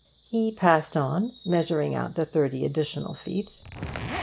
He passed on, measuring out the thirty additional feet.